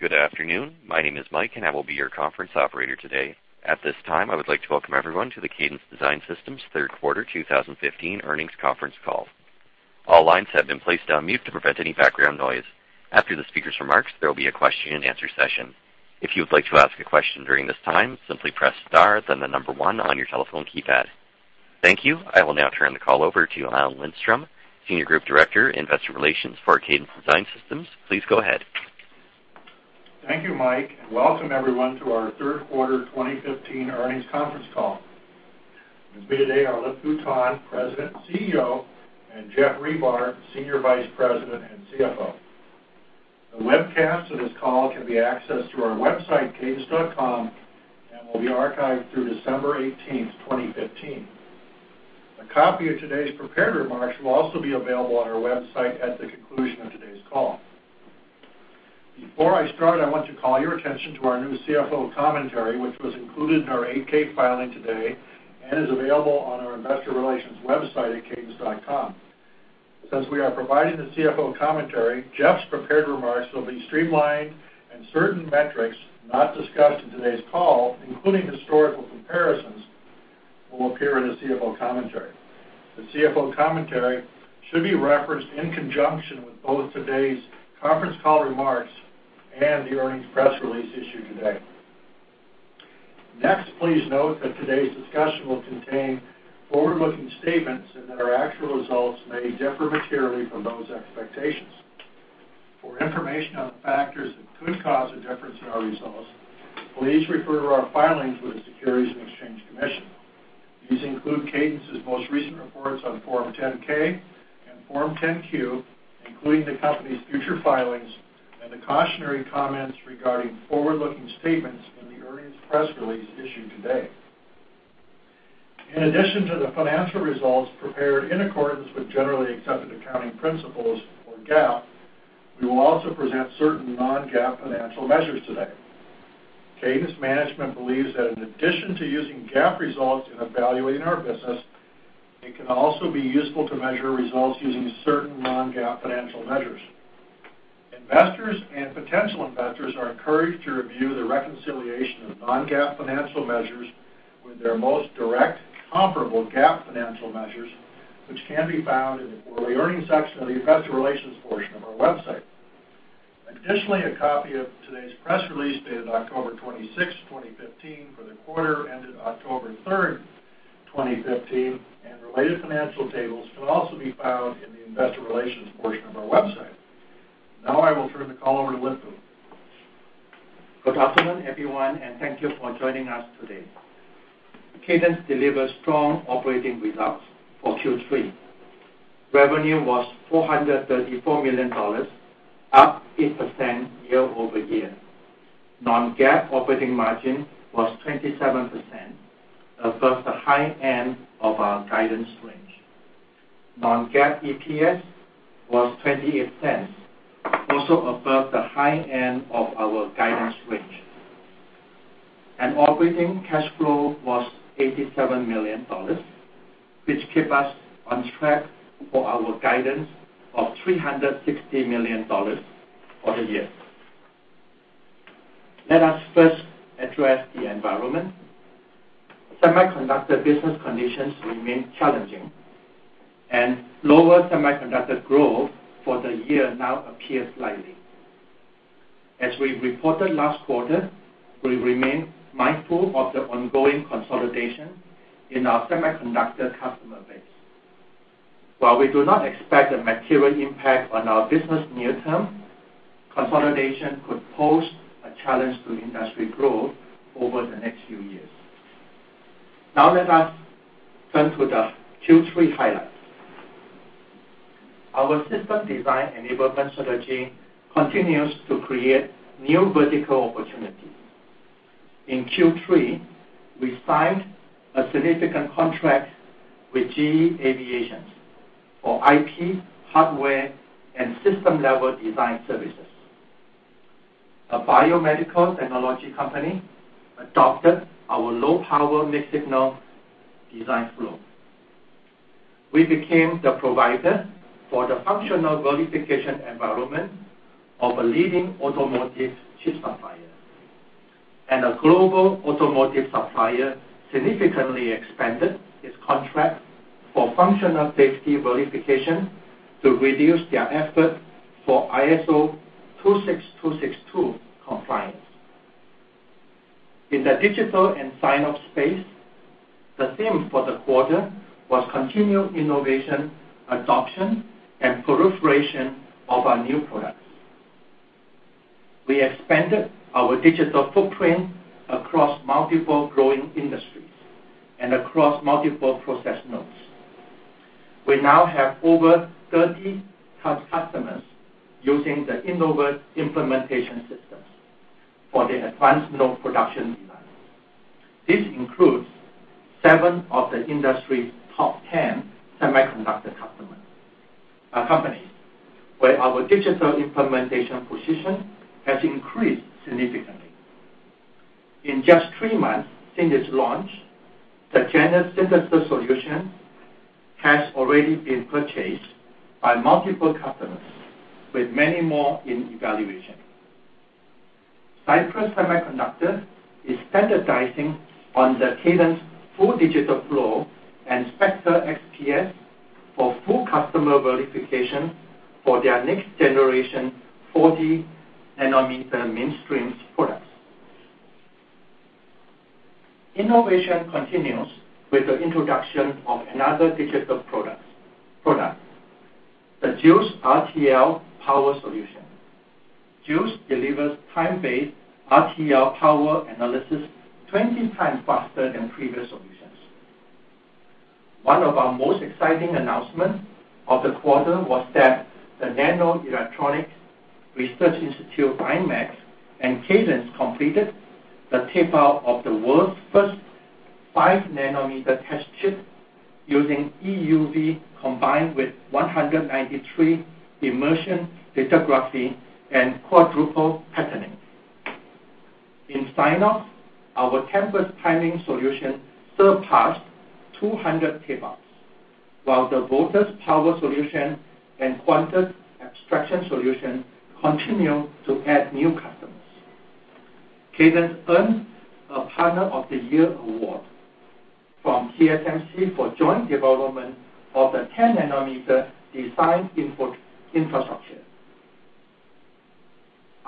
Good afternoon. My name is Mike, I will be your conference operator today. At this time, I would like to welcome everyone to the Cadence Design Systems third quarter 2015 earnings conference call. All lines have been placed on mute to prevent any background noise. After the speaker's remarks, there will be a question and answer session. If you would like to ask a question during this time, simply press star, the number 1 on your telephone keypad. Thank you. I will now turn the call over to Alan Lindstrom, Senior Group Director of Investor Relations for Cadence Design Systems. Please go ahead. Thank you, Mike, welcome everyone to our third quarter 2015 earnings conference call. With me today are Lip-Bu Tan, President and CEO, and Geoff Ribar, Senior Vice President and CFO. The webcast of this call can be accessed through our website, cadence.com, will be archived through December 18th, 2015. A copy of today's prepared remarks will also be available on our website at the conclusion of today's call. Before I start, I want to call your attention to our new CFO commentary, which was included in our 8-K filing today is available on our investor relations website at cadence.com. Since we are providing the CFO commentary, Jeff's prepared remarks will be streamlined, certain metrics not discussed in today's call, including historical comparisons, will appear in the CFO commentary. The CFO commentary should be referenced in conjunction with both today's conference call remarks the earnings press release issued today. Please note that today's discussion will contain forward-looking statements that our actual results may differ materially from those expectations. For information on the factors that could cause a difference in our results, please refer to our filings with the Securities and Exchange Commission. These include Cadence's most recent reports on Form 10-K and Form 10-Q, including the company's future filings the cautionary comments regarding forward-looking statements in the earnings press release issued today. In addition to the financial results prepared in accordance with generally accepted accounting principles or GAAP, we will also present certain non-GAAP financial measures today. Cadence management believes that in addition to using GAAP results in evaluating our business, it can also be useful to measure results using certain non-GAAP financial measures. Investors potential investors are encouraged to review the reconciliation of non-GAAP financial measures with their most direct comparable GAAP financial measures, which can be found in the quarterly earnings section of the investor relations portion of our website. A copy of today's press release, dated October 26th, 2015, for the quarter ended October 3rd, 2015, related financial tables can also be found in the investor relations portion of our website. I will turn the call over to Lip-Bu. Good afternoon, everyone, and thank you for joining us today. Cadence delivered strong operating results for Q3. Revenue was $434 million, up 8% year-over-year. Non-GAAP operating margin was 27%, above the high end of our guidance range. Non-GAAP EPS was $0.28, also above the high end of our guidance range. Operating cash flow was $87 million, which kept us on track for our guidance of $360 million for the year. Let us first address the environment. Semiconductor business conditions remain challenging. Lower semiconductor growth for the year now appears likely. As we reported last quarter, we remain mindful of the ongoing consolidation in our semiconductor customer base. While we do not expect a material impact on our business near term, consolidation could pose a challenge to industry growth over the next few years. Let us turn to the Q3 highlights. Our system design enablement strategy continues to create new vertical opportunities. In Q3, we signed a significant contract with GE Aviation for IP, hardware, and system-level design services. A biomedical technology company adopted our low-power mixed-signal design flow. We became the provider for the functional verification environment of a leading automotive chip supplier. A global automotive supplier significantly expanded its contract for functional safety verification to reduce their effort for ISO 26262 compliance. In the digital and sign-off space, the theme for the quarter was continued innovation, adoption, and proliferation of our new products. We expanded our digital footprint across multiple growing industries and across multiple process nodes. We now have over 30 top customers using the Innovus implementation systems for their advanced node production designs. This includes seven of the industry's top 10 semiconductor companies, where our digital implementation position has increased significantly. In just three months since its launch, the Genus synthesis solution has already been purchased by multiple customers, with many more in evaluation. Cypress Semiconductor is standardizing on the Cadence full digital flow and Spectre XPS for full customer verification for their next-generation 40 nanometer mainstream products. Innovation continues with the introduction of another digital product, the Joules RTL power solution. Joules delivers time-based RTL power analysis 20 times faster than previous solutions. One of our most exciting announcements of the quarter was that the Nano Electronics Research Institute, imec, and Cadence completed the tape-out of the world's first five nanometer test chip using EUV combined with 193 immersion lithography and quadruple patterning. In sign-off, our Tempus timing solution surpassed 200 tape-outs, while the Voltus power solution and Quantus extraction solution continue to add new customers. Cadence earned a partner of the year award from TSMC for joint development of the 10 nanometer design input infrastructure.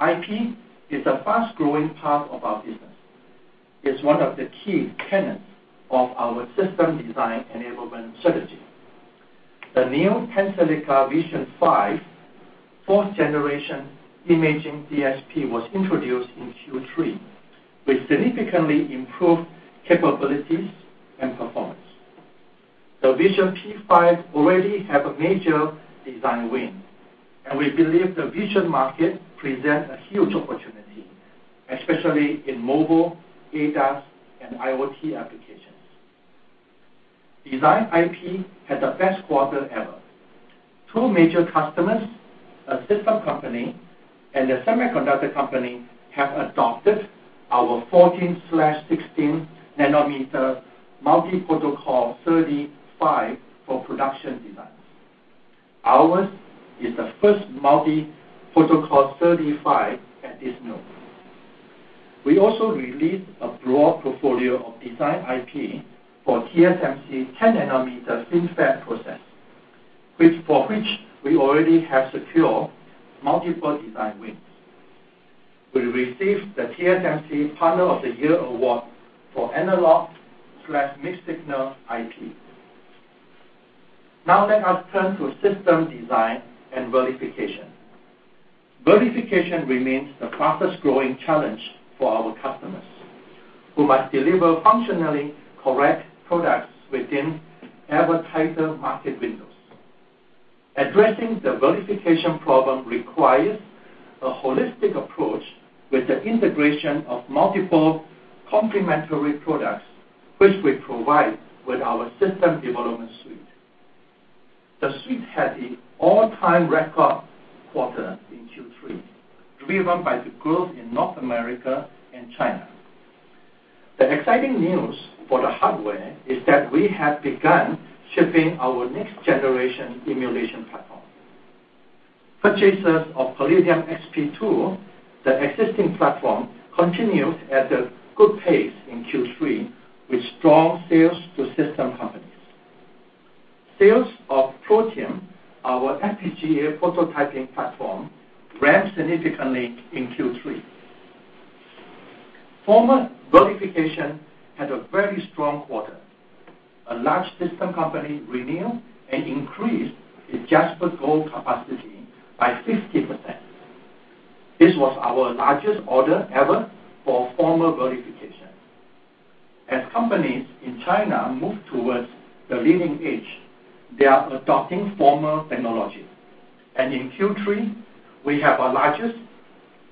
IP is a fast-growing part of our business. It's one of the key tenets of our system design enablement strategy. The new Tensilica Vision P5 fourth-generation imaging DSP was introduced in Q3 with significantly improved capabilities and performance. The Vision P5 already have a major design win. We believe the Vision market presents a huge opportunity, especially in mobile, ADAS, and IoT applications. Design IP had the best quarter ever. Two major customers, a system company and a semiconductor company, have adopted our 14/16 nanometer multi-protocol SerDes physical layer for production designs. Ours is the first multi-protocol SerDes physical layer at this node. We also released a broad portfolio of design IP for TSMC's 10 nanometer FinFET process, for which we already have secured multiple design wins. We received the TSMC Partner of the Year award for analog/mixed-signal IP. Let us turn to system design and verification. Verification remains the fastest-growing challenge for our customers, who must deliver functionally correct products within ever-tighter market windows. Addressing the verification problem requires a holistic approach with the integration of multiple complementary products, which we provide with our system development suite. The suite had an all-time record quarter in Q3, driven by the growth in North America and China. The exciting news for the hardware is that we have begun shipping our next-generation emulation platform. Purchasers of Palladium XP2, the existing platform, continued at a good pace in Q3 with strong sales to system companies. Sales of Protium, our FPGA prototyping platform, ramped significantly in Q3. Formal verification had a very strong quarter. A large system company renewed and increased its JasperGold capacity by 50%. This was our largest order ever for formal verification. As companies in China move towards the leading edge, they are adopting formal technology. In Q3, we have our largest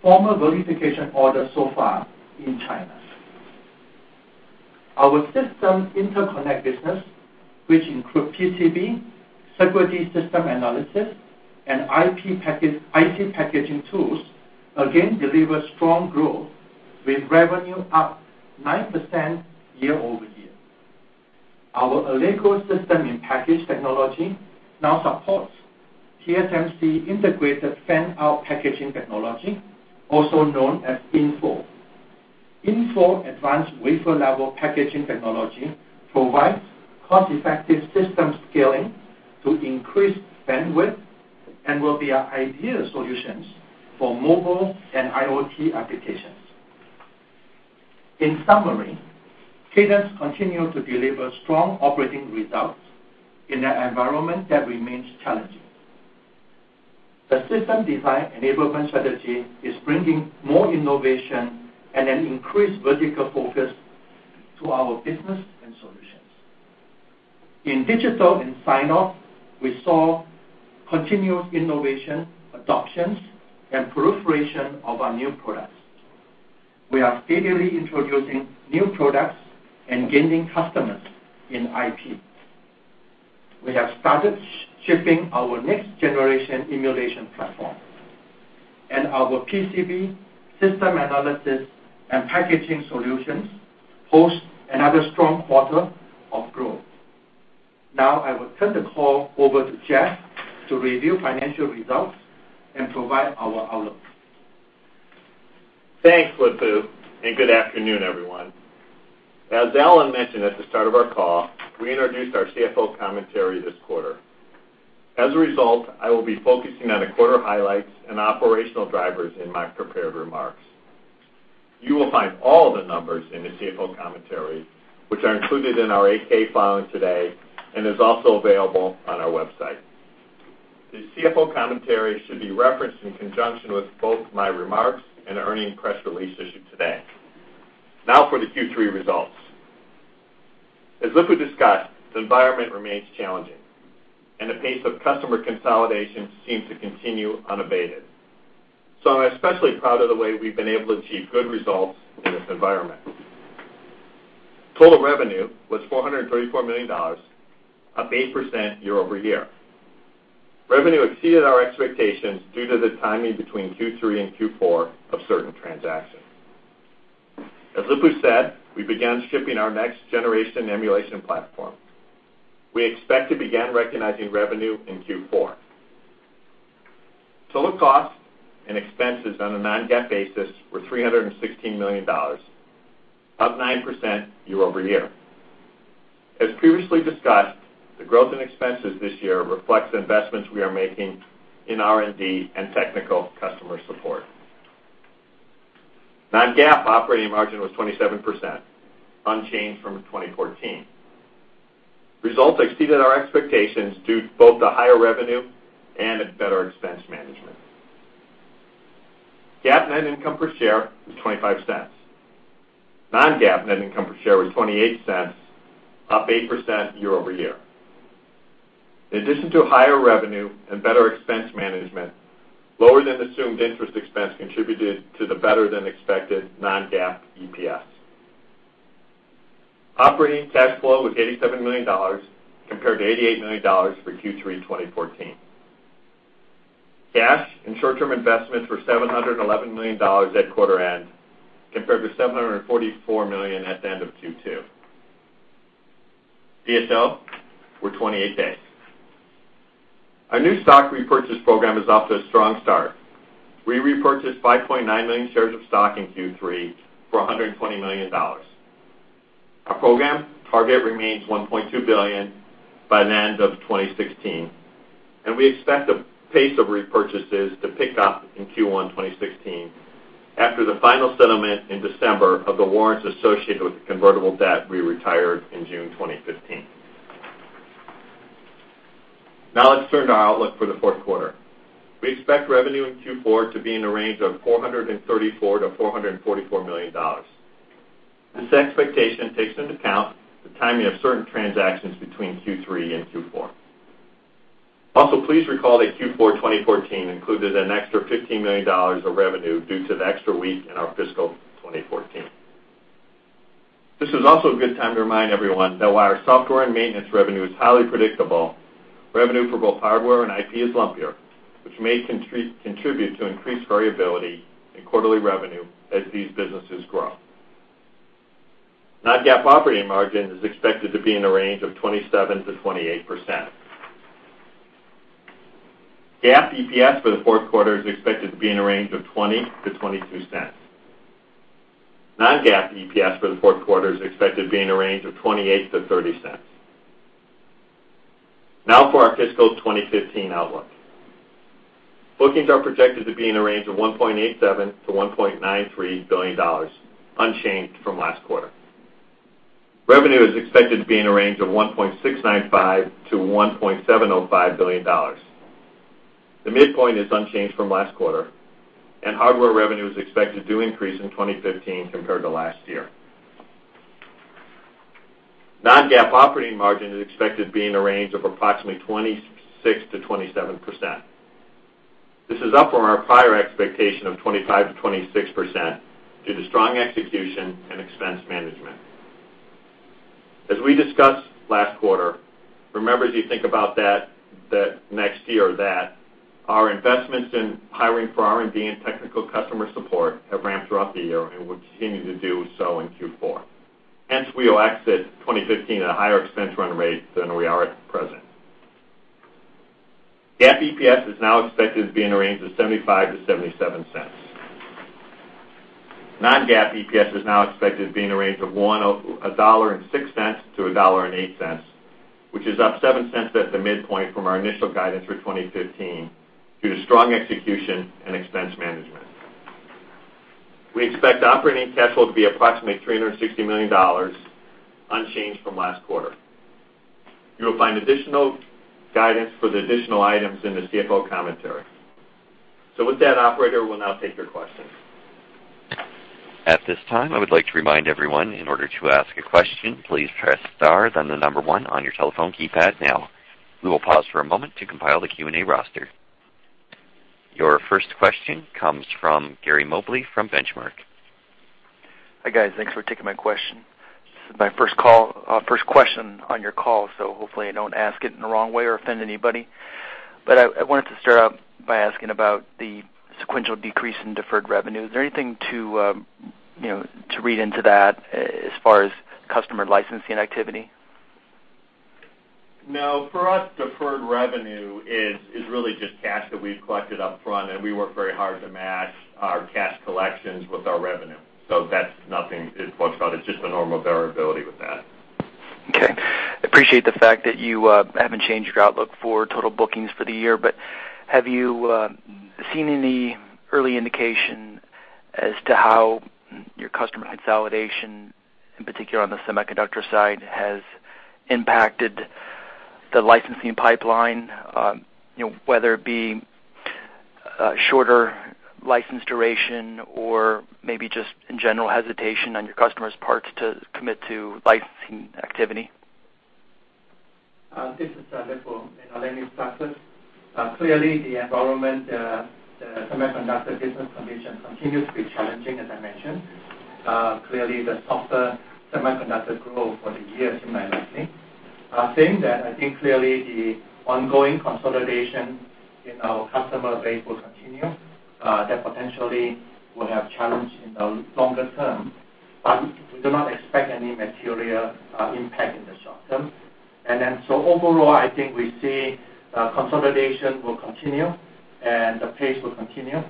formal verification order so far in China. Our system interconnect business, which includes PCB, Sigrity system analysis, and IP packaging tools, again delivered strong growth with revenue up 9% year-over-year. Our Allegro system in package technology now supports TSMC Integrated Fan-Out packaging technology, also known as InFO. InFO advanced wafer-level packaging technology provides cost-effective system scaling to increase bandwidth and will be our ideal solutions for mobile and IoT applications. In summary, Cadence continued to deliver strong operating results in an environment that remains challenging. The system design enablement strategy is bringing more innovation and an increased vertical focus to our business and solutions. In digital and sign-off, we saw continuous innovation, adoptions, and proliferation of our new products. We are steadily introducing new products and gaining customers in IP. We have started shipping our next generation emulation platform, and our PCB system analysis and packaging solutions host another strong quarter of growth. I will turn the call over to Geoff to review financial results and provide our outlook. Thanks, Lip-Bu, good afternoon, everyone. As Alan mentioned at the start of our call, we introduced our CFO commentary this quarter. As a result, I will be focusing on the quarter highlights and operational drivers in my prepared remarks. You will find all the numbers in the CFO commentary, which are included in our 8-K filing today, and is also available on our website. The CFO commentary should be referenced in conjunction with both my remarks and the earning press release issued today. For the Q3 results. As Lip-Bu discussed, the environment remains challenging, the pace of customer consolidation seems to continue unabated. I'm especially proud of the way we've been able to achieve good results in this environment. Total revenue was $434 million, up 8% year-over-year. Revenue exceeded our expectations due to the timing between Q3 and Q4 of certain transactions. As Lip-Bu said, we began shipping our next generation emulation platform. We expect to begin recognizing revenue in Q4. Total costs and expenses on a non-GAAP basis were $316 million, up 9% year-over-year. As previously discussed, the growth in expenses this year reflects the investments we are making in R&D and technical customer support. Non-GAAP operating margin was 27%, unchanged from 2014. Results exceeded our expectations due both to higher revenue and better expense management. GAAP net income per share was $0.25. Non-GAAP net income per share was $0.28, up 8% year-over-year. In addition to higher revenue and better expense management, lower than assumed interest expense contributed to the better-than-expected non-GAAP EPS. Operating cash flow was $87 million, compared to $88 million for Q3 2014. Cash and short-term investments were $711 million at quarter end, compared to $744 million at the end of Q2. DSO were 28 days. Our new stock repurchase program is off to a strong start. We repurchased 5.9 million shares of stock in Q3 for $120 million. Our program target remains $1.2 billion by the end of 2016, and we expect the pace of repurchases to pick up in Q1 2016 after the final settlement in December of the warrants associated with the convertible debt we retired in June 2015. Now, let's turn to our outlook for the fourth quarter. We expect revenue in Q4 to be in the range of $434 million-$444 million. This expectation takes into account the timing of certain transactions between Q3 and Q4. Also, please recall that Q4 2014 included an extra $15 million of revenue due to the extra week in our fiscal 2014. This is also a good time to remind everyone that while our software and maintenance revenue is highly predictable, revenue for both hardware and IP is lumpier, which may contribute to increased variability in quarterly revenue as these businesses grow. Non-GAAP operating margin is expected to be in the range of 27%-28%. GAAP EPS for the fourth quarter is expected to be in the range of $0.20-$0.22. Non-GAAP EPS for the fourth quarter is expected to be in the range of $0.28-$0.30. Now for our fiscal 2015 outlook. Bookings are projected to be in the range of $1.87 billion-$1.93 billion, unchanged from last quarter. Revenue is expected to be in the range of $1.695 billion-$1.705 billion. The midpoint is unchanged from last quarter, and hardware revenue is expected to increase in 2015 compared to last year. Non-GAAP operating margin is expected to be in the range of approximately 26%-27%. This is up from our prior expectation of 25%-26% due to strong execution and expense management. As we discussed last quarter, remember as you think about the next year that our investments in hiring for R&D and technical customer support have ramped throughout the year and will continue to do so in Q4. Hence, we will exit 2015 at a higher expense run rate than we are at present. GAAP EPS is now expected to be in the range of $0.75-$0.77. Non-GAAP EPS is now expected to be in the range of $1.06-$1.08, which is up $0.07 at the midpoint from our initial guidance for 2015 due to strong execution and expense management. We expect operating cash flow to be approximately $360 million, unchanged from last quarter. You will find additional guidance for the additional items in the CFO commentary. With that, operator, we will now take your questions. At this time, I would like to remind everyone, in order to ask a question, please press star, then 1 on your telephone keypad now. We will pause for a moment to compile the Q&A roster. Your first question comes from Gary Mobley from Benchmark. Hi, guys. Thanks for taking my question. This is my first question on your call, hopefully I don't ask it in the wrong way or offend anybody. I wanted to start out by asking about the sequential decrease in deferred revenue. Is there anything to read into that as far as customer licensing activity? No. For us, deferred revenue is really just cash that we've collected upfront, and we work very hard to match our cash collections with our revenue. That's nothing. It was just a normal variability with that. Okay. I appreciate the fact that you haven't changed your outlook for total bookings for the year, have you seen any early indication as to how your customer consolidation, in particular on the semiconductor side, has impacted the licensing pipeline? Whether it be shorter license duration or maybe just in general hesitation on your customers' parts to commit to licensing activity. This is Lip-Bu. Clearly, the environment, the semiconductor business condition continues to be challenging, as I mentioned. Clearly, the softer semiconductor growth for the year seems likely. Saying that, I think clearly the ongoing consolidation in our customer base will continue. That potentially will have challenge in the longer term, but we do not expect any material impact in the short term. Overall, I think we see consolidation will continue and the pace will continue.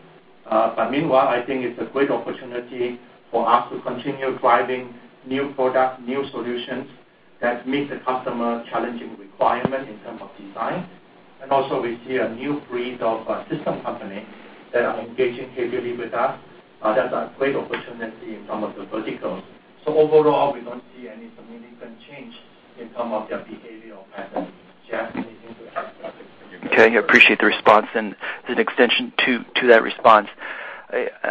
Meanwhile, I think it's a great opportunity for us to continue driving new product, new solutions that meet the customer challenging requirement in terms of design. Also we see a new breed of system company that are engaging heavily with us. That's a great opportunity in some of the verticals. Overall, we don't see any significant change in some of their behavioral patterns. Geoff, anything to add to that? Okay, I appreciate the response. As an extension to that response,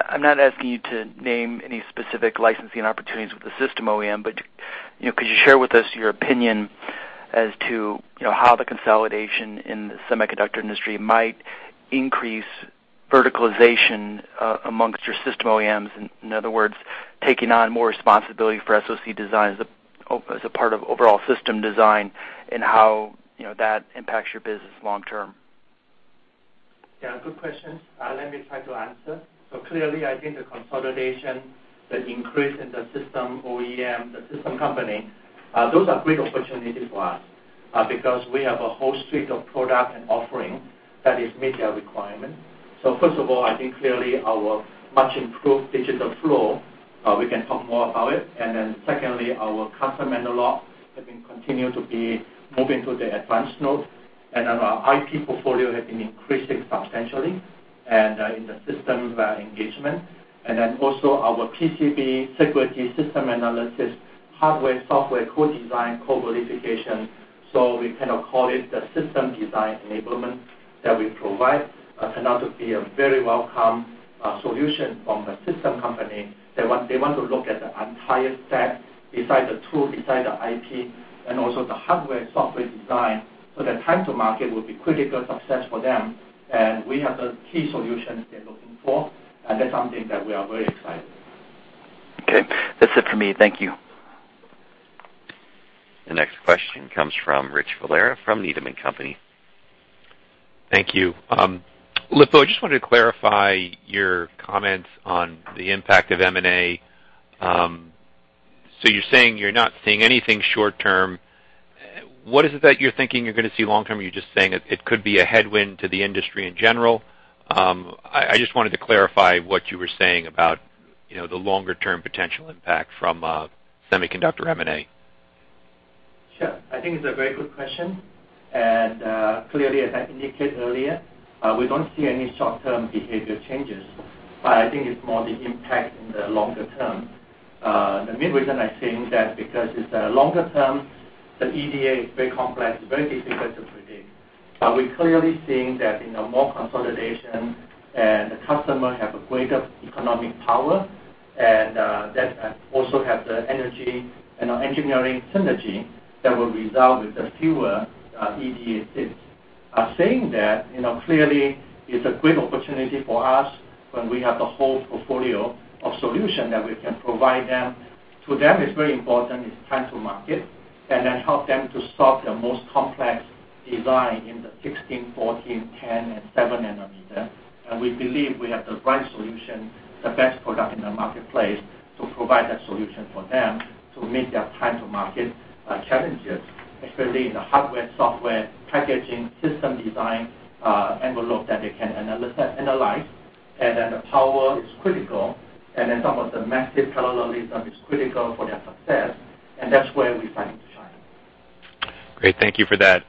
I'm not asking you to name any specific licensing opportunities with the system OEM, but could you share with us your opinion as to how the consolidation in the semiconductor industry might increase verticalization amongst your system OEMs? In other words, taking on more responsibility for SoC design as a part of overall system design, and how that impacts your business long term. Yeah, good question. Let me try to answer. Clearly, I think the consolidation, the increase in the system OEM, the system company, those are great opportunities for us, because we have a whole suite of product and offering that is meeting their requirement. First of all, I think clearly our much improved digital flow, we can talk more about it. Secondly, our custom analog have been continued to be moving to the advanced node. Our IP portfolio has been increasing substantially and in the system engagement. Also our PCB Sigrity system analysis, hardware-software co-design, co-verification. We kind of call it the system design enablement that we provide, turned out to be a very welcome solution from the system company. They want to look at the entire set, beside the tool, beside the IP, and also the hardware-software design. Their time to market will be critical success for them, and we have the key solutions they're looking for, and that's something that we are very excited about. Okay. That's it for me. Thank you. The next question comes from Richard Valera from Needham & Company. Thank you. Lip-Bu, I just wanted to clarify your comments on the impact of M&A. You're saying you're not seeing anything short term. What is it that you're thinking you're going to see long term? Are you just saying it could be a headwind to the industry in general? I just wanted to clarify what you were saying about the longer term potential impact from semiconductor M&A. Sure. I think it's a very good question. Clearly, as I indicated earlier, we don't see any short-term behavior changes. I think it's more the impact in the longer term. The main reason I think that because it's a longer term, the EDA is very complex, very difficult to predict. We're clearly seeing that more consolidation and the customer have a greater economic power, that also have the energy and engineering synergy that will result with the fewer EDA seats. Saying that, clearly it's a great opportunity for us when we have the whole portfolio of solution that we can provide them. To them, it's very important, it's time to market, help them to solve their most complex design in the 16, 14, ten, and seven nanometer. We believe we have the right solution, the best product in the marketplace to provide that solution for them to meet their time to market challenges, especially in the hardware, software, packaging, system design envelope that they can analyze. The power is critical, some of the massive parallelism is critical for their success, that's where we plan to shine. Great. Thank you for that.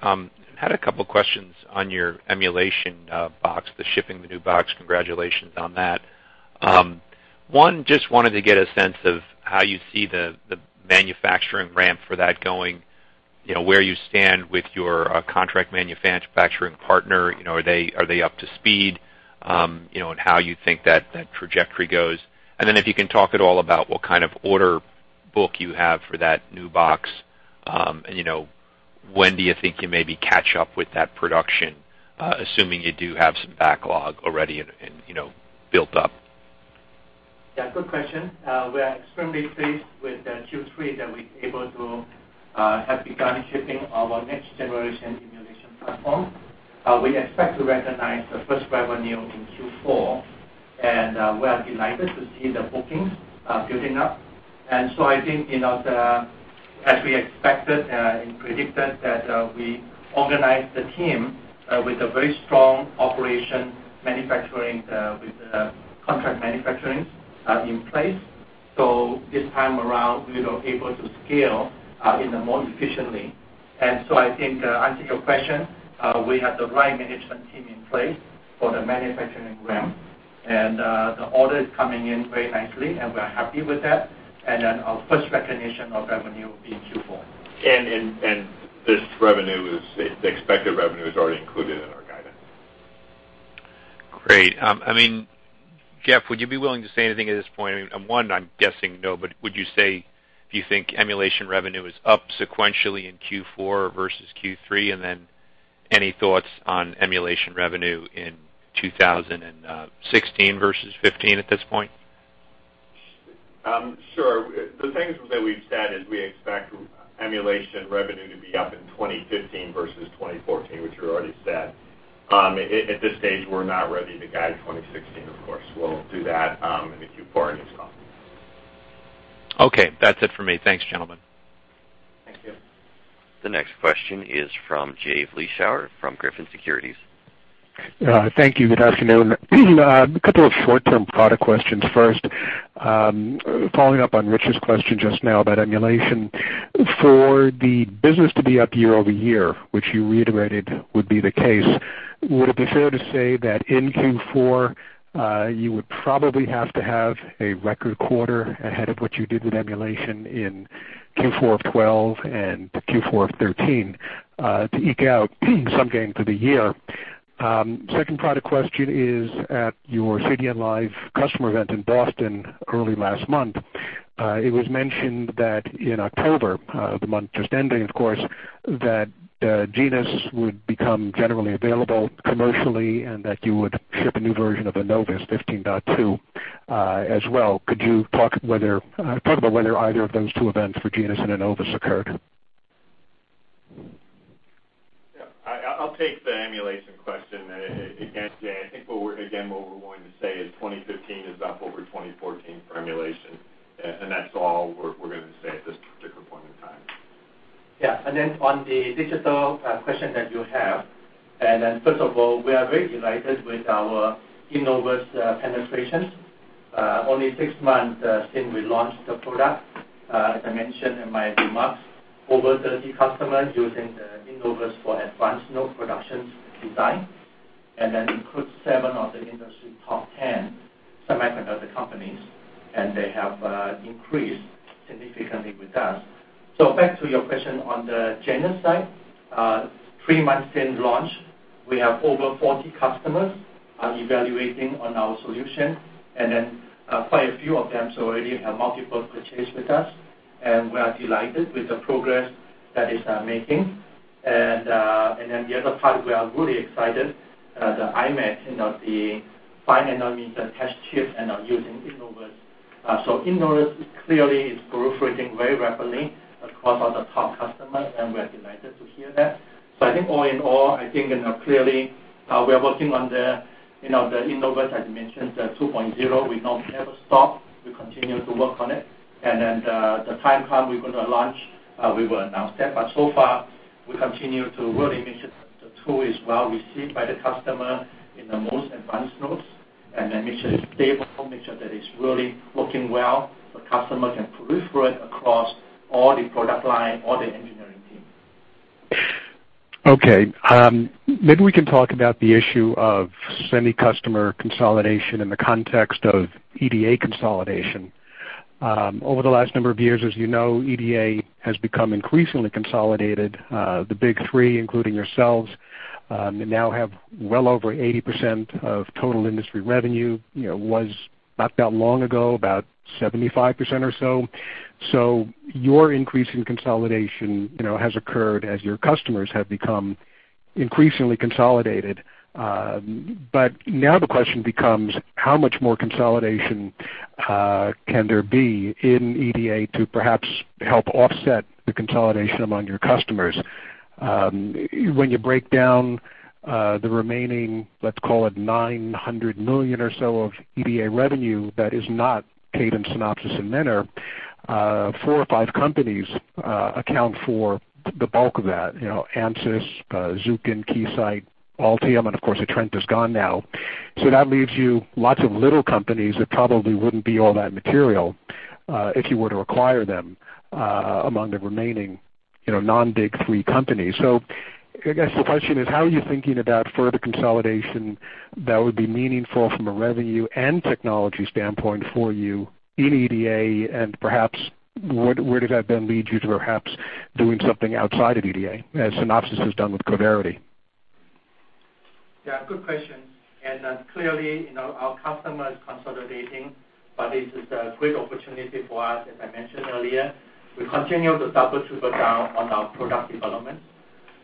I had a couple questions on your emulation box, the shipping the new box. Congratulations on that. One, I just wanted to get a sense of how you see the manufacturing ramp for that going, where you stand with your contract manufacturing partner. Are they up to speed? How you think that trajectory goes. If you can talk at all about what kind of order book you have for that new box and when do you think you maybe catch up with that production, assuming you do have some backlog already built up? Yeah, good question. We are extremely pleased with Q3 that we are able to have begun shipping our next generation emulation platform. We expect to recognize the first revenue in Q4. We are delighted to see the bookings building up. I think as we expected and predicted, that we organized the team with a very strong operation with contract manufacturing in place. This time around, we were able to scale in a more efficiently. I think to answer your question, we have the right management team in place for the manufacturing ramp. The order is coming in very nicely. We're happy with that. Our first recognition of revenue will be in Q4. This expected revenue is already included in our guidance. Great. Geoff, would you be willing to say anything at this point? One, I'm guessing no, but would you say if you think emulation revenue is up sequentially in Q4 versus Q3? Any thoughts on emulation revenue in 2016 versus 2015 at this point? Sure. The things that we've said is we expect emulation revenue to be up in 2015 versus 2014, which we already said. At this stage, we're not ready to guide 2016, of course. We'll do that in the Q4 earnings call. Okay. That's it for me. Thanks, gentlemen. Thank you. The next question is from Jay Vleeschouwer from Griffin Securities. Thank you. Good afternoon. A couple of short-term product questions first. Following up on Rich Valera's question just now about emulation. For the business to be up year-over-year, which you reiterated would be the case, would it be fair to say that in Q4, you would probably have to have a record quarter ahead of what you did with emulation in Q4 of 2012 and Q4 of 2013 to eke out some gain for the year? Second product question is at your CadenceLIVE customer event in Boston early last month, it was mentioned that in October, the month just ending, of course, that Genus would become generally available commercially and that you would ship a new version of Innovus, 15.2, as well. Could you talk about whether either of those two events for Genus and Innovus occurred? I'll take the emulation question. Jay Vleeschouwer, I think what we're going to say is 2015 is up over 2014 for emulation. That's all we're going to say at this particular point in time. On the digital question that you have, first of all, we are very delighted with our Innovus penetrations. Only six months since we launched the product, as I mentioned in my remarks, over 30 customers using the Innovus for advanced node productions design, includes 7 of the industry top 10 semiconductor companies, they have increased significantly with us. Back to your question on the Genus side. Three months since launch, we have over 40 customers evaluating on our solution, quite a few of them already have multiple purchase with us, we are delighted with the progress that it's making. The other part, we are really excited, the imec, the 5-nanometer test chip and are using Innovus. Innovus clearly is proliferating very rapidly across all the top customers, we're delighted to hear that. I think all in all, I think clearly we are working on the Innovus, as mentioned, the 2.0. We never stop. We continue to work on it. The time come we're going to launch, we will announce that, we continue to really make sure that the tool is well received by the customer in the most advanced nodes, make sure it's stable, make sure that it's really working well, the customer can proliferate across all the product line, all the engineering team. Okay. Maybe we can talk about the issue of semi customer consolidation in the context of EDA consolidation. Over the last number of years, as you know, EDA has become increasingly consolidated. The Big 3, including yourselves, now have well over 80% of total industry revenue. Was not that long ago, about 75% or so. Your increase in consolidation has occurred as your customers have become increasingly consolidated. Now the question becomes how much more consolidation can there be in EDA to perhaps help offset the consolidation among your customers? When you break down the remaining, let's call it $900 million or so of EDA revenue that is not Cadence, Synopsys, and Mentor, four or five companies account for the bulk of that. Ansys, Zuken, Keysight, Altium, and of course Atrenta is gone now. That leaves you lots of little companies that probably wouldn't be all that material if you were to acquire them among the remaining non-Big 3 companies. I guess the question is, how are you thinking about further consolidation that would be meaningful from a revenue and technology standpoint for you in EDA? Perhaps where did that then lead you to perhaps doing something outside of EDA, as Synopsys has done with Coverity? Good question. Clearly, our customer is consolidating, but this is a great opportunity for us. As I mentioned earlier, we continue to double, triple down on our product development.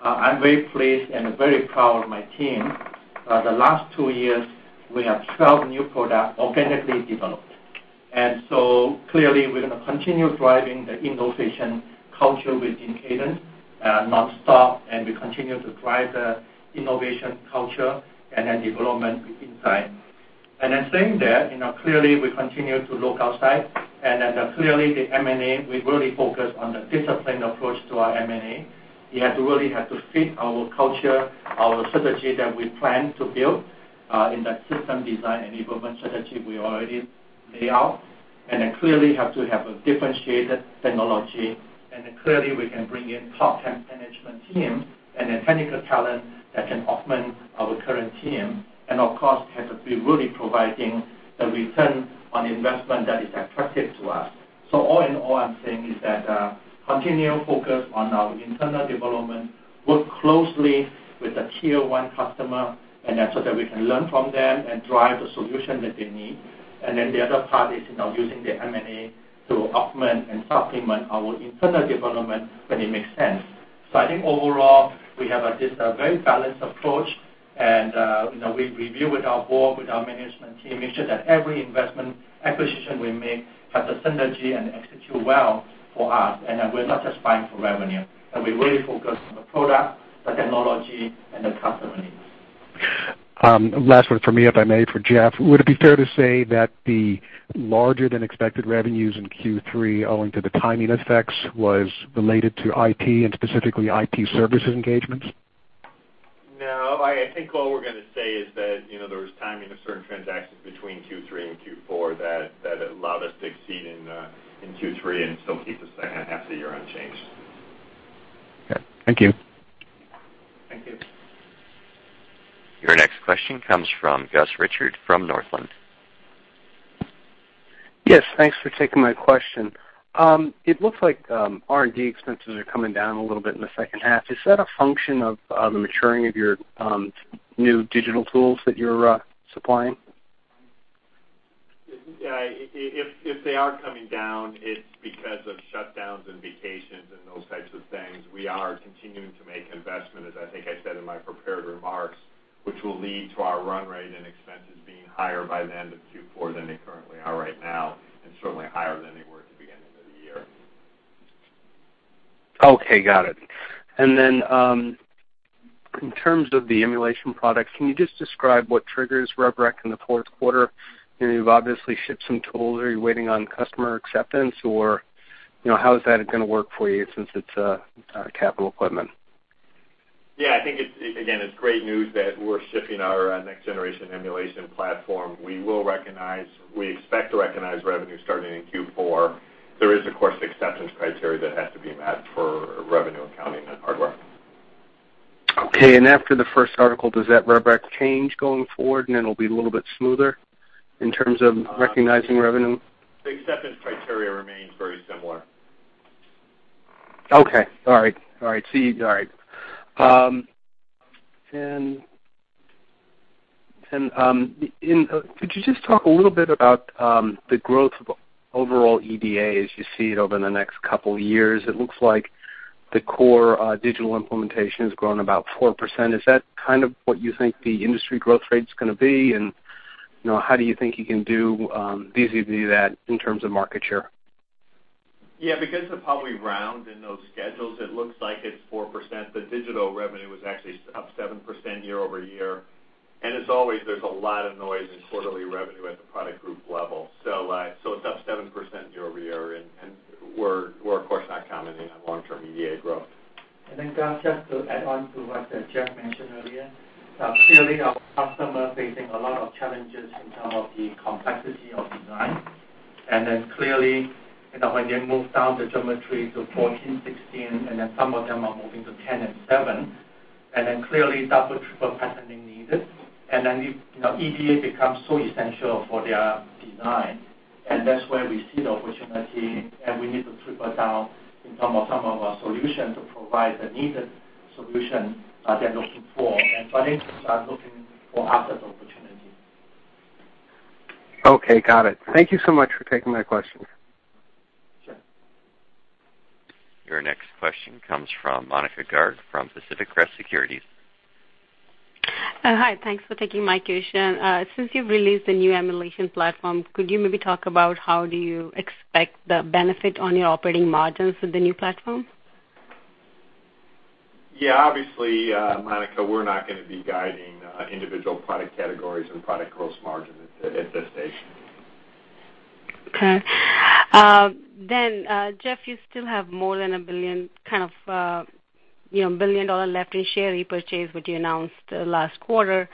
I'm very pleased and very proud of my team. The last two years, we have 12 new products organically developed. Clearly, we're going to continue driving the innovation culture within Cadence nonstop. We continue to drive the innovation culture and then development within time. Saying that, clearly, we continue to look outside. Clearly, the M&A, we really focus on the disciplined approach to our M&A. We really have to fit our culture, our strategy that we plan to build in that system design and enablement strategy we already lay out. Clearly, have to have a differentiated technology. Clearly, we can bring in top talent management team and the technical talent that can augment our current team, and of course, have to be really providing a return on investment that is attractive to us. All in all, I'm saying is that continue focus on our internal development, work closely with the tier 1 customer, that we can learn from them and drive the solution that they need. The other part is using the M&A to augment and supplement our internal development when it makes sense. I think overall, we have this very balanced approach. We review with our board, with our management team, make sure that every investment acquisition we make has a synergy and execute well for us. We're not just buying for revenue. That we really focus on the product, the technology, and the customer needs. Last one from me, if I may, for Geoff. Would it be fair to say that the larger than expected revenues in Q3 owing to the timing effects was related to IP and specifically IP services engagements? No, I think what we're going to say is that there was timing of certain transactions between Q3 and Q4 that allowed us to exceed in Q3 and still keep the second half of the year unchanged. Okay. Thank you. Thank you. Your next question comes from Gus Richard from Northland. Yes, thanks for taking my question. It looks like R&D expenses are coming down a little bit in the second half. Is that a function of the maturing of your new digital tools that you're supplying? If they are coming down, it's because of shutdowns and vacations and those types of things. We are continuing to make investment, as I think I said in my prepared remarks, which will lead to our run rate and expenses being higher by the end of Q4 than they currently are right now, and certainly higher than they were at the beginning of the year. Okay, got it. Then, in terms of the emulation products, can you just describe what triggers rev rec in the fourth quarter? You've obviously shipped some tools. Are you waiting on customer acceptance or how is that going to work for you since it's capital equipment? Yeah, I think, again, it's great news that we're shipping our next generation emulation platform. We expect to recognize revenue starting in Q4. There is, of course, acceptance criteria that has to be met for revenue accounting that hardware. Okay. After the first article, does that rev rec change going forward, and it'll be a little bit smoother in terms of recognizing revenue? The acceptance criteria remains very similar. Okay. All right. Could you just talk a little bit about the growth of overall EDA as you see it over the next 2 years? It looks like the core digital implementation has grown about 4%. Is that kind of what you think the industry growth rate's going to be? How do you think you can do vis-a-vis that in terms of market share? Yeah, because of how we round in those schedules, it looks like it's 4%, but digital revenue was actually up 7% year-over-year. As always, there's a lot of noise in quarterly revenue at the product group level. It's up 7% year-over-year, and we're of course, not commenting on long-term EDA growth. Gus, just to add on to what Geoff Ribar mentioned earlier. Clearly, our customer is facing a lot of challenges in terms of the complexity of design, when they move down the geometry to 14, 16, some of them are moving to 10 and 7. Double, triple patterning needed. EDA becomes so essential for their design. That's where we see the opportunity, and we need to triple down in terms of some of our solutions to provide the needed solution they're looking for. Partners are looking for us as opportunity. Okay, got it. Thank you so much for taking my questions. Sure. Your next question comes from Monika Garg from Pacific Crest Securities. Hi, thanks for taking my question. Since you've released the new emulation platform, could you maybe talk about how do you expect the benefit on your operating margins with the new platform? Yeah, obviously, Monika, we're not going to be guiding individual product categories and product gross margin at this stage. Okay. Geoff, you still have more than $1 billion left in share repurchase, which you announced last quarter.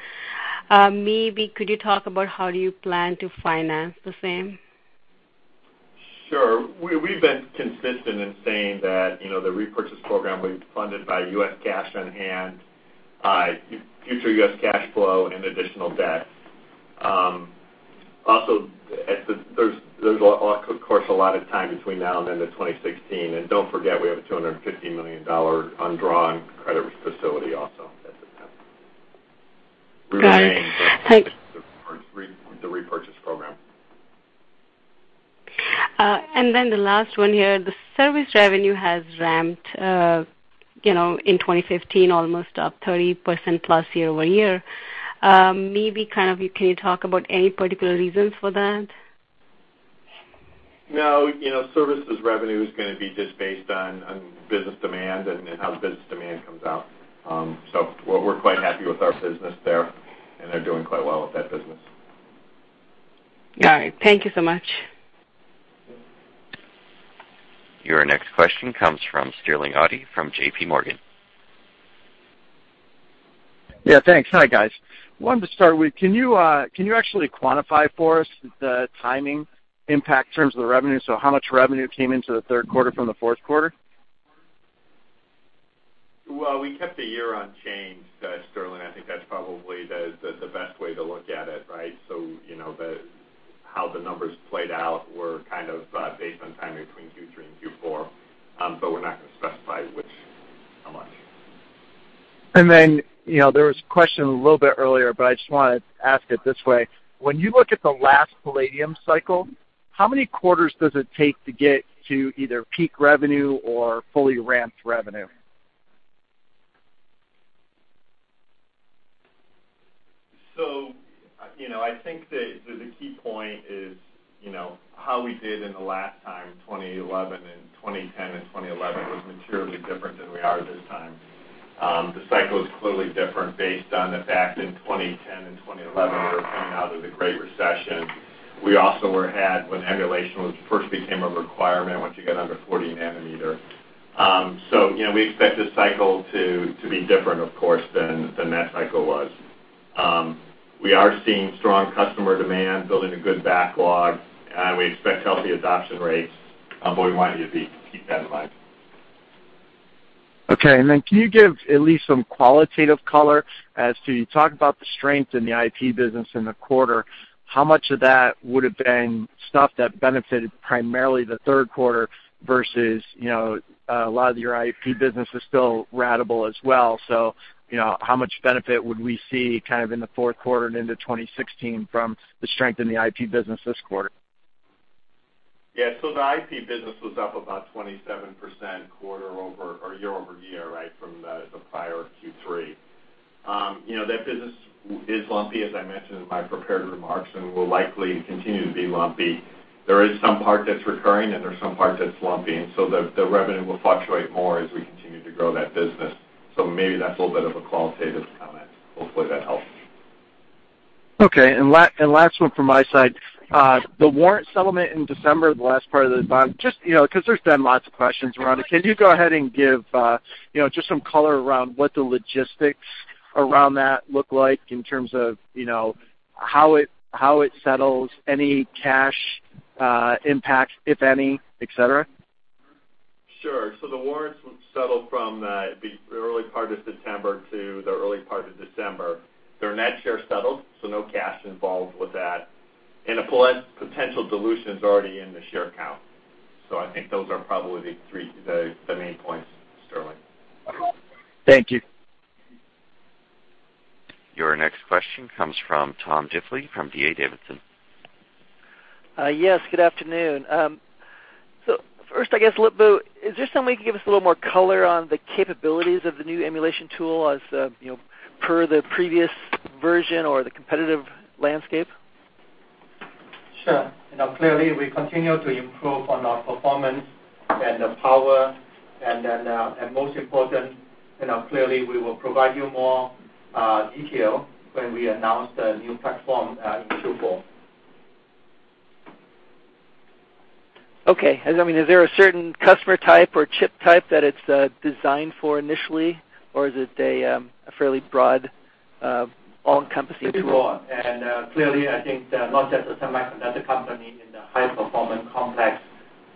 Maybe could you talk about how do you plan to finance the same? Sure. We've been consistent in saying that the repurchase program will be funded by US cash on hand, future US cash flow, and additional debt. There's, of course, a lot of time between now and the end of 2016. Don't forget, we have a $250 million undrawn credit facility also at the time. Got it. Thanks. The repurchase program. The last one here, the service revenue has ramped in 2015 almost up 30% plus year-over-year. Maybe can you talk about any particular reasons for that? No. Services revenue is going to be just based on business demand and how the business demand comes out. We're quite happy with our business there, and they're doing quite well with that business. All right. Thank you so much. Your next question comes from Sterling Auty from J.P. Morgan. Yeah, thanks. Hi, guys. Wanted to start with, can you actually quantify for us the timing impact in terms of the revenue? How much revenue came into the third quarter from the fourth quarter? We kept the year unchanged, Sterling. I think that's probably the best way to look at it, right? How the numbers played out were based on timing between Q3 and Q4. We're not going to specify which, how much. There was a question a little bit earlier, but I just want to ask it this way. When you look at the last Palladium cycle, how many quarters does it take to get to either peak revenue or fully ramped revenue? I think that the key point is how we did in the last time, 2010 and 2011, was materially different than we are this time. The cycle is clearly different based on the fact in 2010 and 2011, we were coming out of the Great Recession. We also had when emulation first became a requirement once you get under 40 nanometer. We expect this cycle to be different, of course, than that cycle was. We are seeing strong customer demand, building a good backlog. We expect healthy adoption rates, we want you to keep that in mind. Okay. Can you give at least some qualitative color as to, you talked about the strength in the IP business in the quarter, how much of that would have been stuff that benefited primarily the third quarter versus a lot of your IP business is still ratable as well. How much benefit would we see in the fourth quarter and into 2016 from the strength in the IP business this quarter? Yeah. The IP business was up about 27% year-over-year from the prior Q3. That business is lumpy, as I mentioned in my prepared remarks, and will likely continue to be lumpy. There is some part that's recurring, and there's some part that's lumpy, and so the revenue will fluctuate more as we continue to grow that business. Maybe that's a little bit of a qualitative comment. Hopefully, that helps. Okay. Last one from my side. The warrant settlement in December, the last part of the bond. Just because there's been lots of questions around it, can you go ahead and give just some color around what the logistics around that look like in terms of how it settles, any cash impact, if any, et cetera? Sure. The warrants would settle from the early part of September to the early part of December. They're net share settled, so no cash involved with that, and a potential dilution is already in the share count. I think those are probably the main points, Sterling. Thank you. Your next question comes from Tom Diffely from D.A. Davidson. Yes, good afternoon. First, I guess, Lip-Bu, is there some way you can give us a little more color on the capabilities of the new emulation tool as per the previous version or the competitive landscape? Sure. Clearly, we continue to improve on our performance and the power, and most important, clearly, we will provide you more detail when we announce the new platform in Q4. Okay. Is there a certain customer type or chip type that it's designed for initially, or is it a fairly broad, all-encompassing tool? Pretty broad. Clearly, I think not just the semiconductor company in the high-performance complex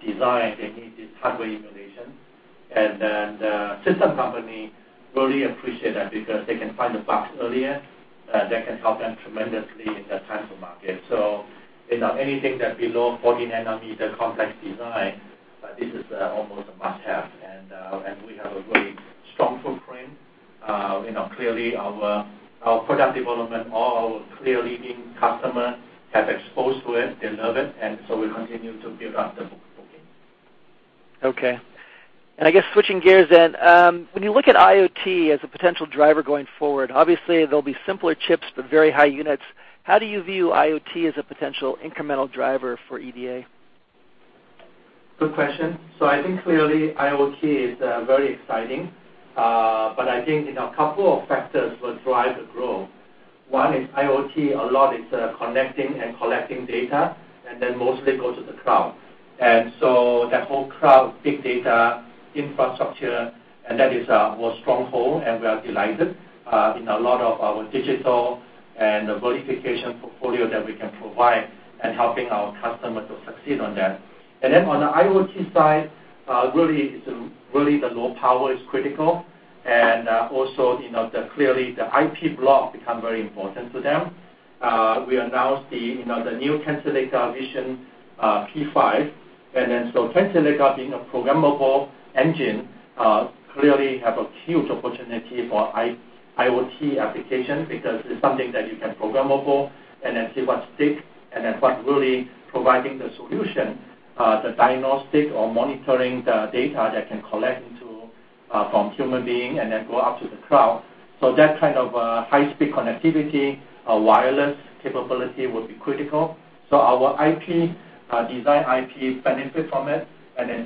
design, they need this hardware emulation. The system company really appreciate that because they can find the bugs earlier. That can help them tremendously in the time to market. Anything that below 40 nanometer complex design, this is almost a must-have, and we have a very strong footprint. Clearly, our product development, all our clear leading customers have exposed to it. They love it. We'll continue to build out the booking. Okay. I guess switching gears then. When you look at IoT as a potential driver going forward, obviously they'll be simpler chips, but very high units. How do you view IoT as a potential incremental driver for EDA? Good question. I think clearly IoT is very exciting. I think a couple of factors will drive the growth. One is IoT, a lot is connecting and collecting data, and then mostly go to the cloud. That whole cloud, big data infrastructure, and that is our stronghold, and we are delighted in a lot of our digital and verification portfolio that we can provide and helping our customers to succeed on that. On the IoT side, really the low power is critical, and also clearly the IP block become very important to them. We announced the new Tensilica Vision P5. Tensilica being a programmable engine, clearly have a huge opportunity for IoT application because it's something that you can program and then see what stick and then what really providing the solution, the diagnostic or monitoring the data that can collect from human being and then go out to the cloud. That kind of high-speed connectivity, wireless capability will be critical. Our design IP benefit from it.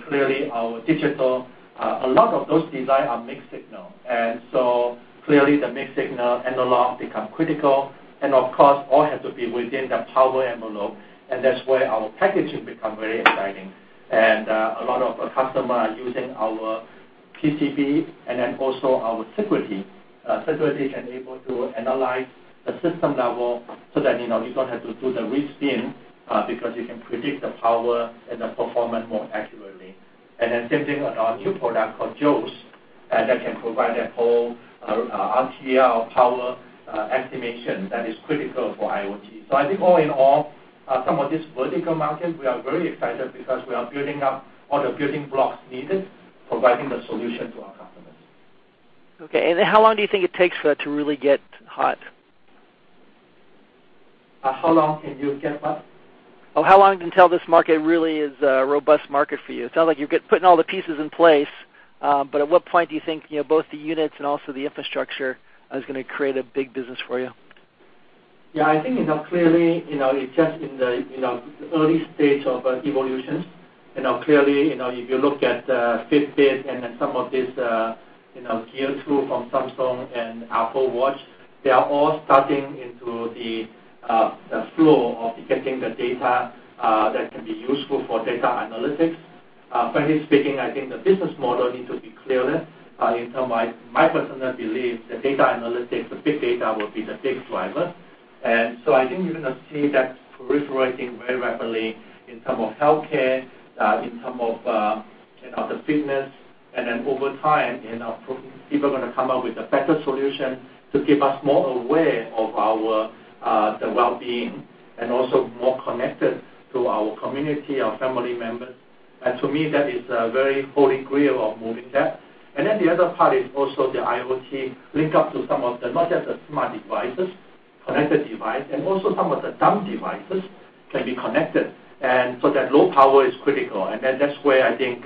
Clearly our digital, a lot of those design are mixed signal. Clearly the mixed signal analog become critical, and of course, all have to be within the power envelope, and that's where our packaging become very exciting. A lot of customers are using our PCB and then also our Sigrity. Sigrity can able to analyze the system level so that you don't have to do the re-spin, because you can predict the power and the performance more accurately. Same thing with our new product called Joules, that can provide that whole RTL power estimation that is critical for IoT. I think all in all, some of this vertical market, we are very excited because we are building up all the building blocks needed, providing the solution to our customers. Okay. How long do you think it takes for that to really get hot? How long can you get what? How long until this market really is a robust market for you? It sounds like you're putting all the pieces in place, at what point do you think both the units and also the infrastructure is going to create a big business for you? Yeah, I think clearly, it's just in the early stage of evolution. Clearly, if you look at Fitbit and then some of this Gear 2 from Samsung and Apple Watch, they are all starting into the flow of getting the data that can be useful for data analytics. Frankly speaking, I think the business model need to be clearer. My personal belief that data analytics or big data will be the big driver. I think you're going to see that proliferating very rapidly in terms of healthcare, in terms of the fitness. Over time, people are going to come up with a better solution to give us more aware of our wellbeing, and also more connected to our community, our family members. To me, that is a very holy grail of moving that. The other part is also the IoT link up to some of the, not just the smart devices, connected device, and also some of the dumb devices can be connected. That low power is critical. That's where I think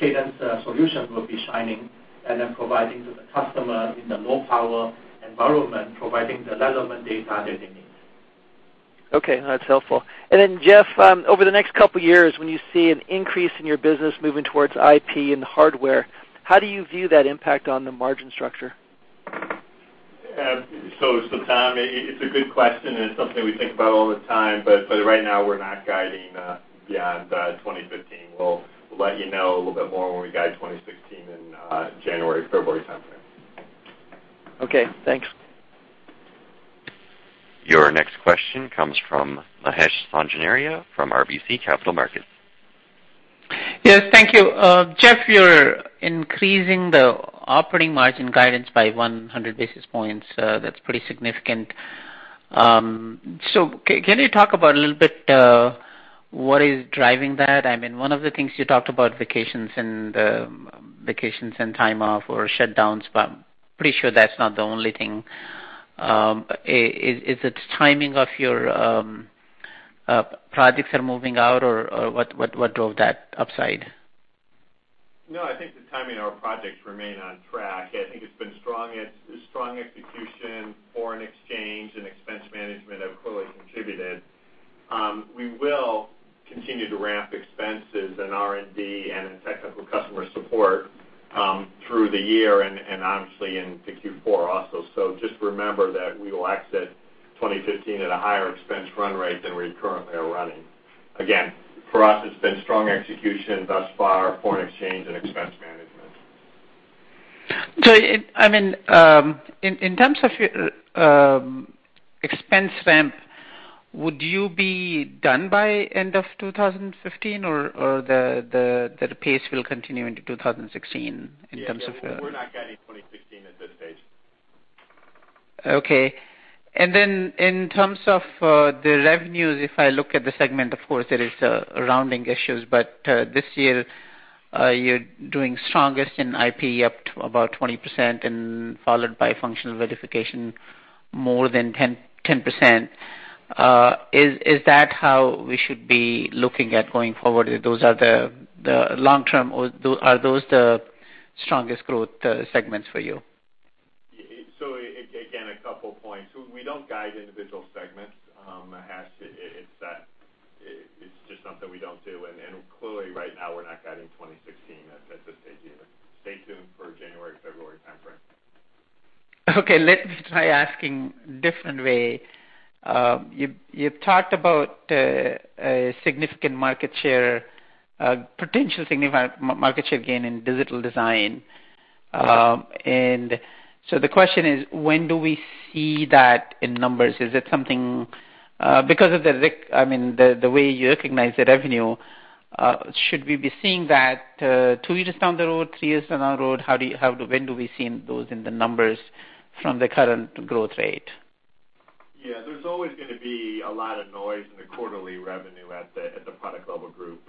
Cadence solution will be shining and then providing to the customer in the low power environment, providing the relevant data that they need. Okay. That's helpful. Geoff, over the next couple years, when you see an increase in your business moving towards IP and hardware, how do you view that impact on the margin structure? Tom, it's a good question, and it's something we think about all the time, but right now we're not guiding beyond 2015. We'll let you know a little bit more when we guide 2016 in January, February timeframe. Okay, thanks. Your next question comes from Mahesh Sanganeria from RBC Capital Markets. Yes, thank you. Geoff, you're increasing the operating margin guidance by 100 basis points. That's pretty significant. Can you talk about a little bit what is driving that? One of the things you talked about vacations and time off or shutdowns, but I'm pretty sure that's not the only thing. Is it timing of your projects are moving out or what drove that upside? I think the timing of our projects remain on track. I think it's been strong execution, foreign exchange, and expense management have clearly contributed. We will continue to ramp expenses in R&D and in technical customer support through the year and obviously into Q4 also. Just remember that we will exit 2015 at a higher expense run rate than we currently are running. Again, for us, it's been strong execution thus far, foreign exchange, and expense management. In terms of your expense ramp, would you be done by end of 2015 or the pace will continue into 2016 in terms of? Yeah, we're not guiding 2016 at this stage. Okay. Then in terms of the revenues, if I look at the segment, of course, there is rounding issues, but this year, you're doing strongest in IP up to about 20% and followed by functional verification more than 10%. Is that how we should be looking at going forward? Are those the strongest growth segments for you? Again, a couple points. We don't guide individual segments, Mahesh. It's just something we don't do. Clearly right now, we're not guiding 2016 at this stage either. Stay tuned for January, February timeframe. Okay, let me try asking different way. You've talked about a potential significant market share gain in digital design. The question is, when do we see that in numbers? Because of the way you recognize the revenue, should we be seeing that two years down the road, three years down the road? When do we see those in the numbers from the current growth rate? Yeah. There's always going to be a lot of noise in the quarterly revenue at the product level group.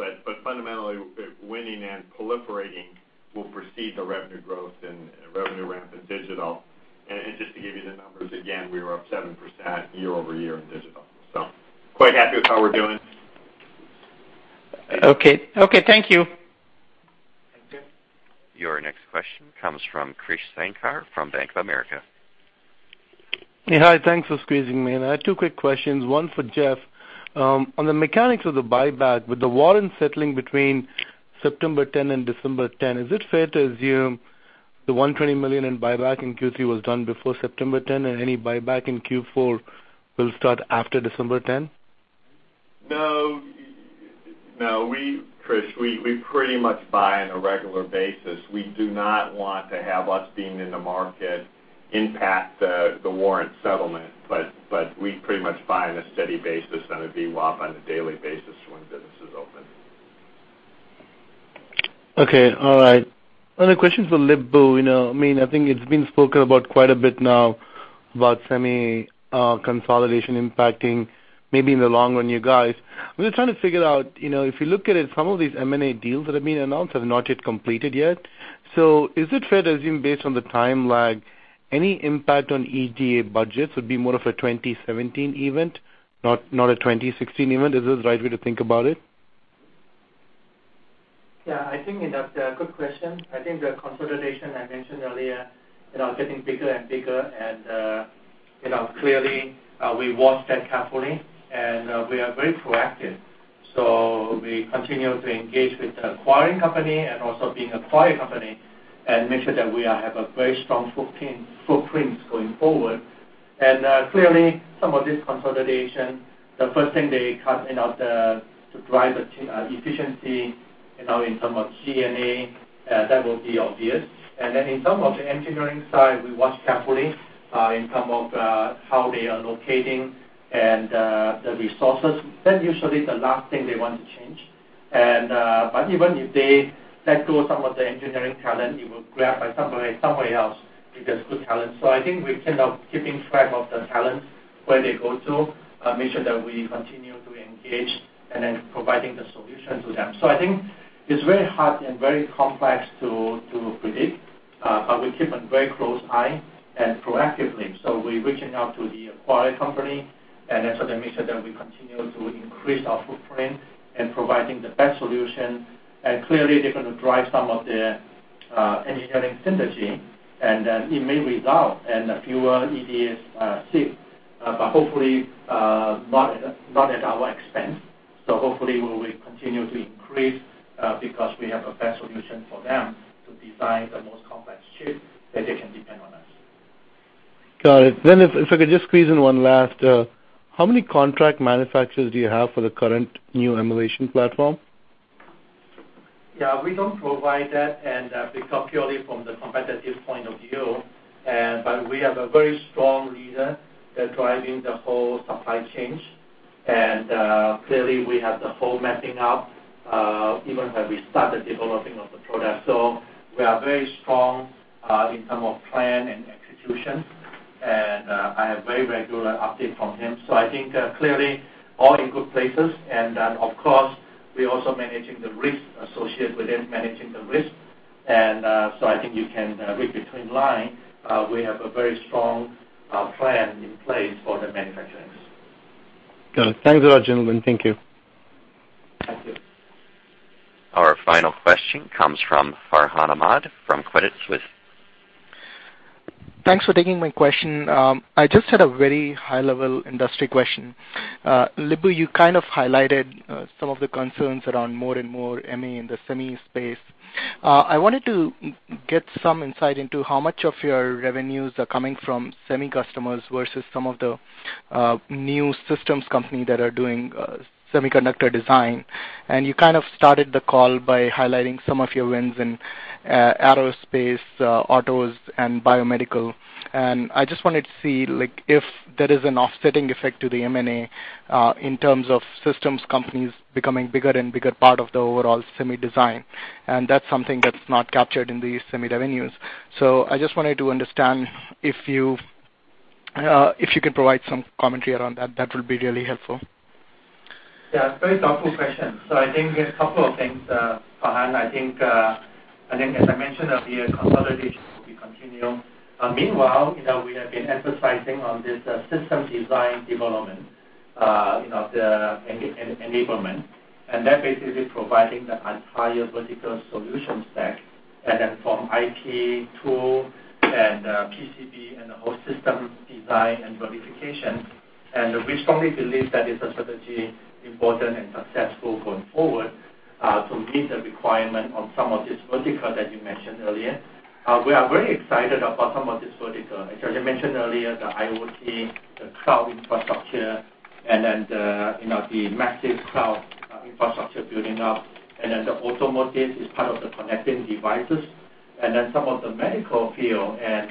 Fundamentally, winning and proliferating will precede the revenue growth and revenue ramp in digital. Just to give you the numbers again, we were up 7% year-over-year in digital, so quite happy with how we're doing. Okay. Thank you. Thank you. Your next question comes from Krish Sankar from Bank of America. Yeah. Hi, thanks for squeezing me in. I had two quick questions. One for Geoff. On the mechanics of the buyback, with the warrant settling between September 10 and December 10, is it fair to assume the $120 million in buyback in Q3 was done before September 10, and any buyback in Q4 will start after December 10? No, Krish. We pretty much buy on a regular basis. We do not want to have us being in the market impact the warrant settlement, but we pretty much buy on a steady basis on a VWAP on a daily basis when business is open. Okay. All right. Another question for Lip-Bu. I think it's been spoken about quite a bit now about semi-consolidation impacting maybe in the long run, you guys. We're trying to figure out, if you look at it, some of these M&A deals that have been announced have not yet completed yet. Is it fair to assume, based on the time lag, any impact on EDA budgets would be more of a 2017 event, not a 2016 event? Is this the right way to think about it? I think that's a good question. I think the consolidation I mentioned earlier are getting bigger and bigger, clearly, we watch that carefully, and we are very proactive. We continue to engage with the acquiring company and also being acquired company and make sure that we have a very strong footprint going forward. Clearly, some of this consolidation, the first thing they cut to drive efficiency in terms of G&A, that will be obvious. Then in some of the engineering side, we watch carefully in terms of how they are locating the resources. That's usually the last thing they want to change. Even if they let go of some of the engineering talent, it will be grabbed by somebody else if it's good talent. I think we're kind of keeping track of the talent, where they go to, make sure that we continue to engage, and then providing the solution to them. I think it's very hard and very complex to predict, but we keep a very close eye and proactively, we're reaching out to the acquired company and also making sure that we continue to increase our footprint and providing the best solution. Clearly, they're going to drive some of the engineering synergy, and then it may result in a fewer EDA shift, but hopefully, not at our expense. Hopefully, we will continue to increase because we have a best solution for them to design the most complex chip, and they can depend on us. Got it. If I could just squeeze in one last. How many contract manufacturers do you have for the current new emulation platform? Yeah. We don't provide that, because purely from the competitive point of view. We have a very strong leader that's driving the whole supply chains. Clearly, we have the whole mapping out, even when we started developing of the product. We are very strong in terms of plan and execution, and I have very regular update from him. I think clearly, all in good places. Of course, we're also managing the risk associated with it. I think you can read between the lines. We have a very strong plan in place for the manufacturers. Got it. Thanks a lot, gentlemen. Thank you. Thank you. Our final question comes from Farhan Ahmad from Credit Suisse. Thanks for taking my question. I just had a very high-level industry question. Lip-Bu, you kind of highlighted some of the concerns around more and more M&A in the semi space. I wanted to get some insight into how much of your revenues are coming from semi customers versus some of the new systems company that are doing semiconductor design. You kind of started the call by highlighting some of your wins in aerospace, autos, and biomedical. I just wanted to see if there is an offsetting effect to the M&A in terms of systems companies becoming bigger and bigger part of the overall semi design. That's something that's not captured in these semi revenues. I just wanted to understand if you could provide some commentary around that. That would be really helpful. I think there's a couple of things, Farhan. I think as I mentioned earlier, consolidation will be continuing. Meanwhile, we have been emphasizing on this system design development, the enablement, and that basically providing the entire vertical solution stack, and then from IP tool and PCB and the whole system design and verification. We strongly believe that it's a strategy important and successful going forward to meet the requirement on some of this vertical that you mentioned earlier. We are very excited about some of this vertical. As I mentioned earlier, the IoT, the cloud infrastructure, and then the massive cloud infrastructure building up, and then the automotive is part of the connected devices. Some of the medical field and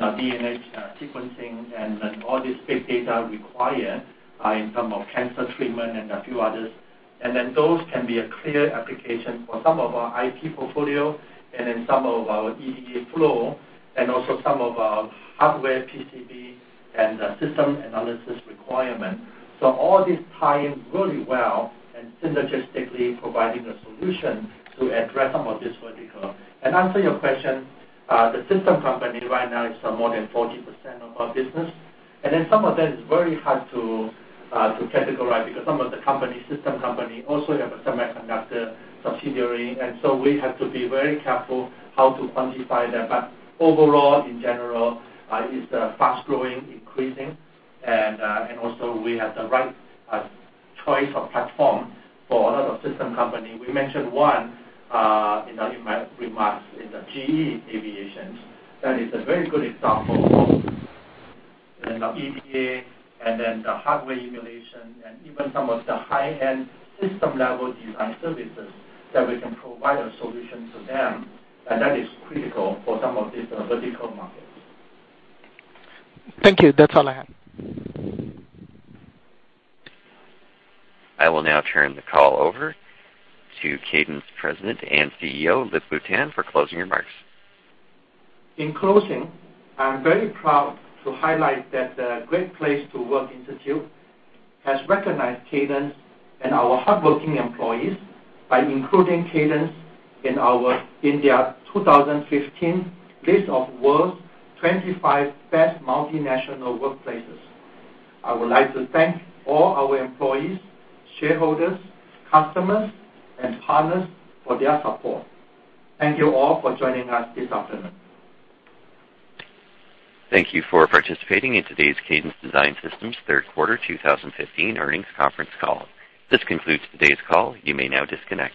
DNA sequencing and then all this big data required in terms of cancer treatment and a few others. Those can be a clear application for some of our IP portfolio and then some of our EDA flow, and also some of our hardware PCB and system analysis requirement. All these tie in really well and synergistically providing a solution to address some of this vertical. To answer your question, the system company right now is more than 40% of our business. Some of that is very hard to categorize because some of the system company also have a semiconductor subsidiary, and so we have to be very careful how to quantify that. Overall, in general, it is fast-growing, increasing, and also we have the right choice of platform for a lot of system company. We mentioned one in our remarks, is the GE Aviation. That is a very good example of EDA and then the hardware emulation and even some of the high-end system-level design services that we can provide a solution to them, and that is critical for some of these vertical markets. Thank you. That's all I have. I will now turn the call over to Cadence President and CEO, Lip-Bu Tan, for closing remarks. In closing, I'm very proud to highlight that the Great Place to Work Institute has recognized Cadence and our hardworking employees by including Cadence in their 2015 list of World's 25 Best Multinational Workplaces. I would like to thank all our employees, shareholders, customers, and partners for their support. Thank you all for joining us this afternoon. Thank you for participating in today's Cadence Design Systems third quarter 2015 earnings conference call. This concludes today's call. You may now disconnect.